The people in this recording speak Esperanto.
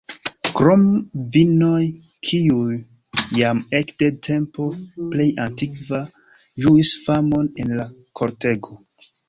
Krom vinoj, kiuj jam ekde tempo plej antikva ĝuis famon en la kortego.